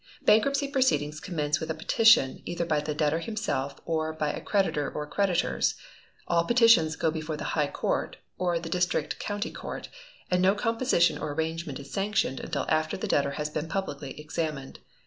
Bankruptcy proceedings commence with a petition, either by the debtor himself or by a creditor or creditors. All petitions go before the High Court (or the district County Court), and no composition or arrangement is sanctioned until after the debtor has been publicly examined.